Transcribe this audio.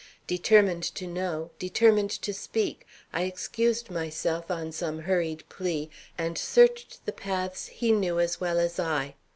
Determined to know, determined to speak, I excused myself on some hurried plea, and searched the paths he knew as well as I.